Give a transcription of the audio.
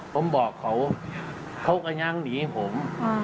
ผมบอกเขากำลังหนีผม